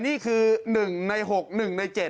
นี่คือหนึ่งใน๖๑ใน๗